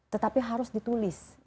tetapi harus ditulis